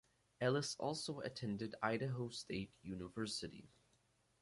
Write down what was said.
Ellis also attended Idaho State University.